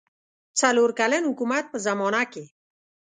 څلور کلن حکومت په زمانه کې.